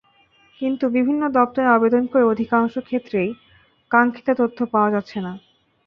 কিন্তু বিভিন্ন দপ্তরে আবেদন করে অধিকাংশ ক্ষেত্রেই কাঙ্ক্ষিত তথ্য পাওয়া যাচ্ছে না।